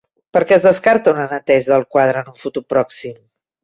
Per què es descarta una neteja del quadre en un futur pròxim?